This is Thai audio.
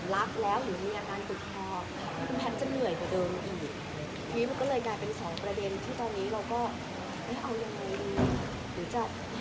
หรือมันจะมีวิธีไหนที่แพทย์คอที่จะทดกันได้บ้างอะไรอย่างนี้นะคะ